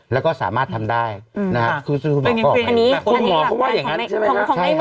แล้วก็สามารถทำได้นะครับคือจะพูดมากกว่าไหมครับคุณหมอพูดว่าอย่างนั้นใช่ไหมครับ